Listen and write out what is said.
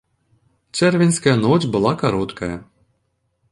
Чэрвеньская ноч была кароткая.